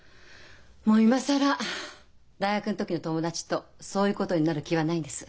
もう今更大学の時の友達とそういうことになる気はないんです。